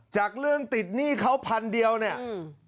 จากเรื่องติดหนี้เขาพันเดียวเนี่ยอืม